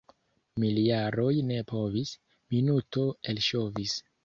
Miljaroj ne povis, — minuto elŝovis.